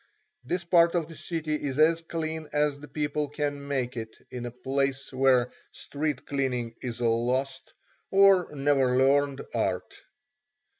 This part of the city is as clean as the people can make it in a place where street cleaning is a lost, or never learned, art.